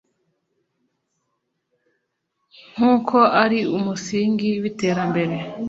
nk’uko ari umusingi w’iterambere